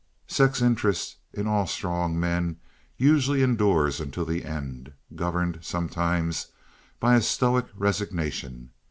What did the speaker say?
Sex interest in all strong men usually endures unto the end, governed sometimes by a stoic resignation.